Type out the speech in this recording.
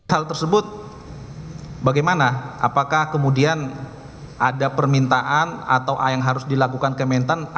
hal tersebut bagaimana apakah kemudian ada permintaan atau a yang harus dilakukan kementan